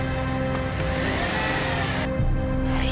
kita harus cepet kesana sekarang